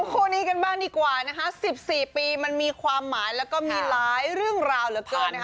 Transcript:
คู่นี้กันบ้างดีกว่านะคะ๑๔ปีมันมีความหมายแล้วก็มีหลายเรื่องราวเหลือเกินนะคะ